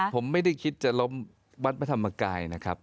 ผมไม่ได้คิดจะล้มวัฒนธรรมกาย